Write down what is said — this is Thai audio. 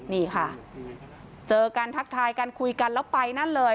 นี่ค่ะเจอกันทักทายกันคุยกันแล้วไปนั่นเลย